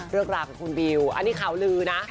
เรื่องราวของคุณบิวอันนี้ข่าวลือนะ